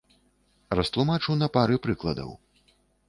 Растлумачу на пары прыкладаў.